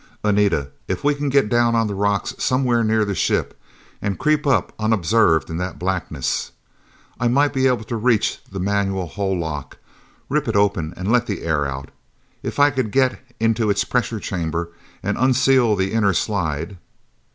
"Anita, if we can get down on the rocks somewhere near the ship, and creep up unobserved in that blackness...." I might be able to reach the manual hull lock, rip it open and let the air out. If I could get into its pressure chamber and unseal the inner slide....